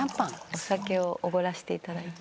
お酒をおごらせて頂いて。